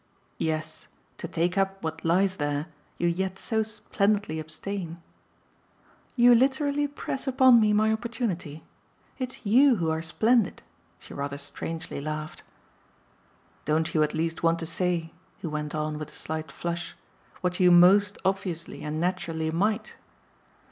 "Yes, to take up what lies there, you yet so splendidly abstain." "You literally press upon me my opportunity? It's YOU who are splendid!" she rather strangely laughed. "Don't you at least want to say," he went on with a slight flush, "what you MOST obviously and naturally might?"